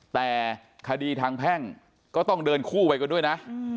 แต่คดีทางแพ่งก็ต้องเดินคู่ไปกันด้วยนะ